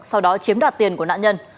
sau đó chiếm đạt tiền của nạn nhân